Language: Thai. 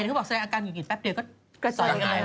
เวลาแสดงอาการอยู่อีกแป๊บเดียวก็ติด